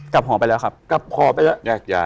กลับหอบ้านไปแล้วครับกลับหอบ้านไปแล้ว